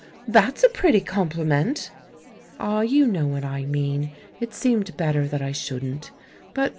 "That's a pretty compliment!" "Ah, you know what I mean — it seemed bet ter that I shouldn't. But